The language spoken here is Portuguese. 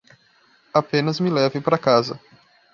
Apenas me leve pra casa.